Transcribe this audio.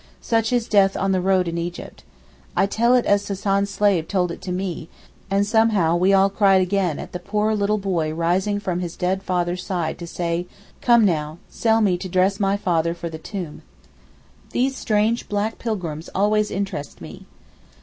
Such is death on the road in Egypt. I tell it as Hassan's slave told it to me, and somehow we all cried again at the poor little boy rising from his dead father's side to say, 'Come now sell me to dress my father for the tomb.' These strange black pilgrims always interest me.